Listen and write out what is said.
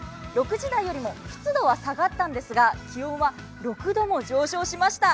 ６時台よりも湿度は下がったんですが気温は６度も上昇しました。